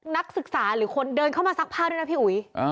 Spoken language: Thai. นักศึกษาหรือคนเดินเข้ามาซักผ้าด้วยนะพี่อุ๋ย